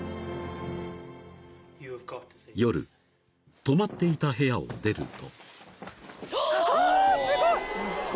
［夜泊まっていた部屋を出ると］